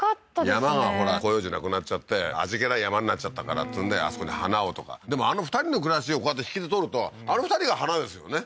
山がほら広葉樹なくなっちゃって味気ない山になっちゃったからっつうんであそこに花をとかでもあの２人の暮らしをこうやって引きで撮るとあの２人が花ですよね